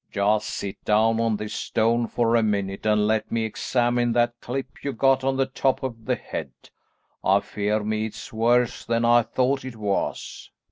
Just sit down on this stone for a minute and let me examine that clip you got on the top of the head. I fear me it's worse than I thought it was."